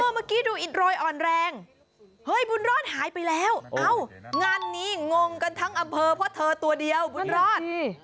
เมื่อกี้ดูอิดโรยอ่อนแรงเฮ้ยบุญรอดหายไปแล้วเอ้างานนี้งงกันทั้งอำเภอเพราะเธอตัวเดียวบุญรอด